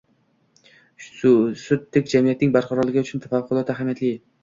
Suddek jamiyatning barqarorligi uchun favqulodda ahamiyatli